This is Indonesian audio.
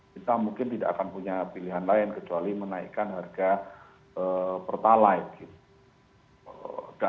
kita mungkin tidak akan punya pilihan lain kecuali menaikkan harga pertalite